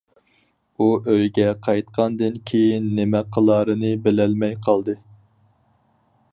ئۇ ئۆيگە قايتقاندىن كېيىن نېمە قىلارىنى بىلەلمەي قالدى.